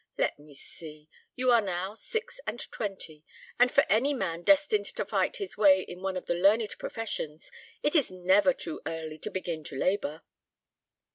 Let me see: you are now six and twenty, and for any man destined to fight his way in one of the learned professions, it is never too early to begin to labour."